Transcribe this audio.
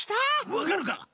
わかるか！？